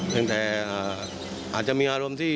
จึงแต่อาจจะมีอารมณ์ที่